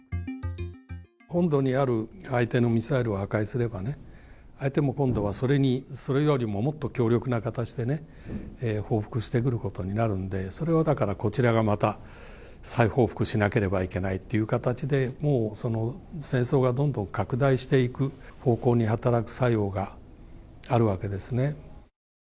本土にある相手のミサイルを破壊すれば相手も今度はそれよりももっと強力な形でね、報復してくることになるのでそれをこちらがまた再報復しなければいけないという形でもうその戦争がどんどん拡大していく方向に働く作用があるわけですね。